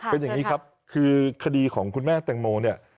เป็นอย่างนี้ครับคือคดีของคุณแม่แตงโมเนี่ย